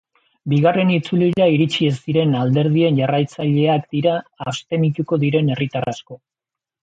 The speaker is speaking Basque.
Bigarren itzulira iritsi ez diren alderdien jarraitzaileak dira abstenituko diren herritar asko.